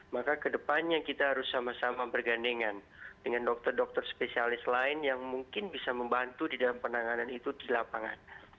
maka kedepannya kita harus sama sama bergandengan dengan dokter dokter spesialis lain yang mungkin bisa membantu di dalam penanganan itu di lapangan